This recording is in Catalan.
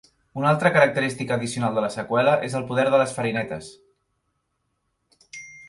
Una altra característica addicional de la seqüela és el "poder de les farinetes".